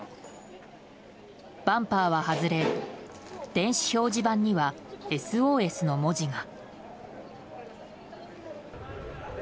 バンパーは外れ、電子表示板には「ＳＯＳ」の文字が。